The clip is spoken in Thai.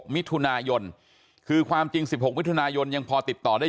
มิถุนายนคือความจริง๑๖มิถุนายนยังพอติดต่อได้